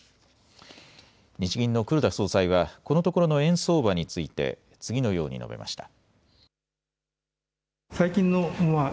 日銀の黒田総裁はこのところの円相場について次のように述べました。